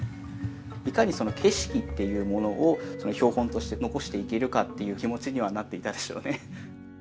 いかにその景色っていうものを標本として残していけるかっていう気持ちにはなっていたでしょうね。